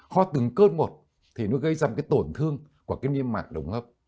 ho từng cơn một thì nó gây ra một cái tổn thương của cái niêm mạc đường hấp